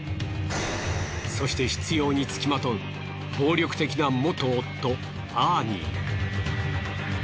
そして執拗に付きまとう暴力的な元夫アーニー。